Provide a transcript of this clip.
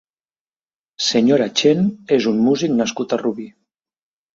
senyora Chen és un músic nascut a Rubí.